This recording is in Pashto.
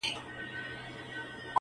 نړيږي جوړ يې کړئ دېوال په اسويلو نه سي~